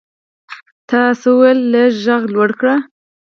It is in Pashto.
تا څه وویل ؟ لږ ږغ لوړ کړه !